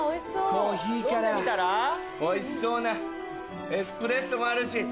コーヒーからおいしそうなエスプレッソもあるし。